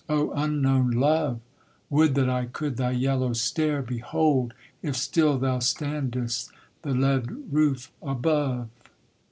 O unknown love, Would that I could thy yellow stair behold, If still thou standest the lead roof above!